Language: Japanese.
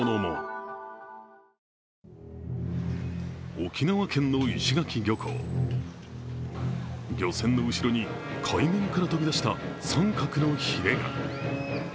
沖縄県の石垣漁港、漁船の後ろに、海面から飛び出した三角のヒレが。